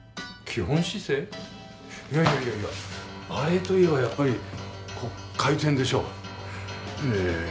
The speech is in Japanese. いやいやいやいやバレエといえばやっぱり回転でしょ。